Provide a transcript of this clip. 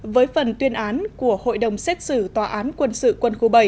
với phần tuyên án của hội đồng xét xử tòa